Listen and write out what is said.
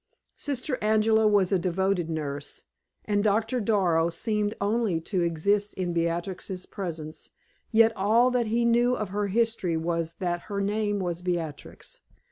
Sister Angela was a devoted nurse, and Doctor Darrow seemed only to exist in Beatrix's presence, yet all that he knew of her history was that her name was Beatrix.